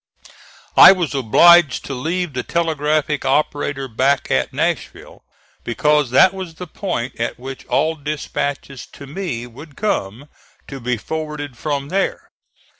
I was obliged to leave the telegraphic operator back at Nashville, because that was the point at which all dispatches to me would come, to be forwarded from there.